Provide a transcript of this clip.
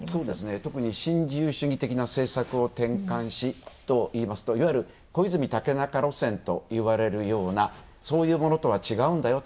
特に新自由主義的な政策を転換しと言いますといわゆる、小泉竹中路線と呼ばれるようなそういうものとは違うんだよと。